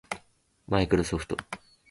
マイクロソフト